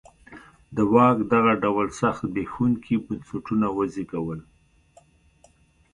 د واک دغه ډول سخت زبېښونکي بنسټونه وزېږول.